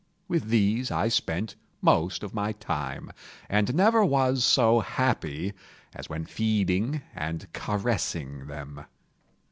With these I spent most of my time, and never was so happy as when feeding and caressing them.